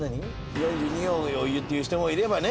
４２度をお湯って言う人もいればね